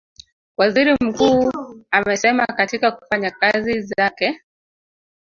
Waziri Mkuu amesema katika kufanya kazi zake